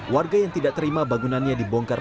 warga yang tidak terima bangunannya dibongkar